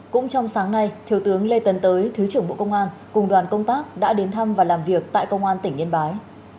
cũng trong sáng nay thiếu tướng lê tân tới thứ trưởng bộ công an cùng đoàn công tác đã đến thăm và làm việc tại công an tỉnh yên bái